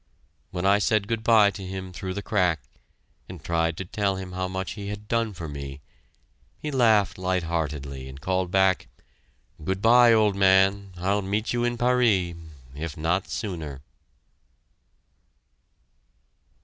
When I said "Good bye" to him through the crack, and tried to tell him how much he had done for me, he laughed light heartedly and called back, "Good bye, old man, I'll meet you in Paris if not sooner!"